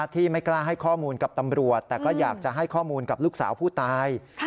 ที่ไม่กล้าให้ข้อมูลกับตำรวจแต่ก็อยากจะให้ข้อมูลกับลูกสาวผู้ตาย